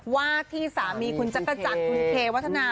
ว่าที่สามีคุณจักรจันทร์คุณเควัฒนา